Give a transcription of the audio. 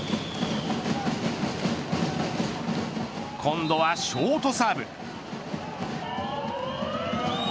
今度はショートサーブ。